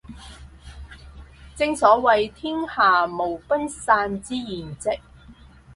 正所謂天下無不散之筵席